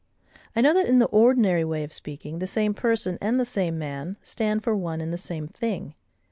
I know that, in the ordinary way of speaking, the same person, and the same man, stand for one and the same thing.